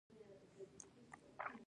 د دره صوف سکاره لوړ کیفیت لري